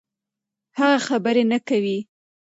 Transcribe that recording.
هغه خبرې نه کوي.